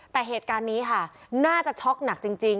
แต่เหตุการณ์นี้ค่ะน่าจะช็อกหนักจริง